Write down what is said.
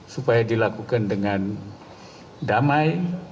supaya dilakukan dengan damai